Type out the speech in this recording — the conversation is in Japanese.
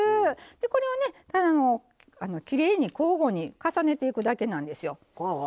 これを、きれいに交互に重ねていくだけなんですよ。